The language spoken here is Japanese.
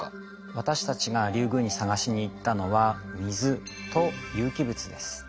私たちがリュウグウに探しに行ったのは水と有機物です。